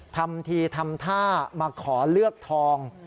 ทำทีทำท่ามาขอเลือกทอง